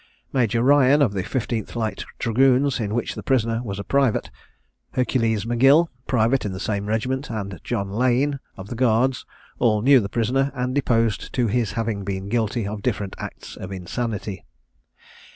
Major Ryan, of the 15th light dragoons, in which the prisoner was a private, Hercules M'Gill, private in the same regiment, and John Lane, of the Guards, all knew the prisoner, and deposed to his having been guilty of different acts of insanity.